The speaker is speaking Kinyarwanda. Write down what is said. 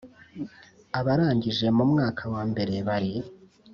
Abarangije mu mwaka wa mbere bari